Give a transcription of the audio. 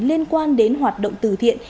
liên quan đến hoạt động từ thiện